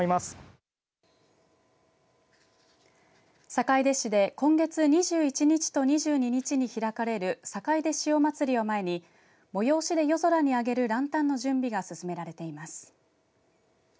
坂出市で今月２１日と２２日に開かれるさかいで塩まつりを前に催しで夜空にあげるランタンの準備が進められています。